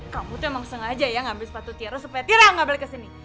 kamu tuh emang sengaja ya ngambil sepatu tiara supaya tiara gak balik kesini